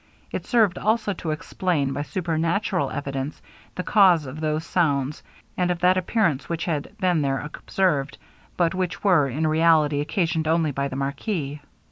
It served, also, to explain, by supernatural evidence, the cause of those sounds, and of that appearance which had been there observed, but which were, in reality, occasioned only by the marquis.